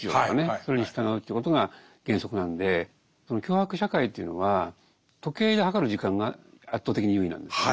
それに従うということが原則なんで強迫社会というのは時計で測る時間が圧倒的に優位なんですよね。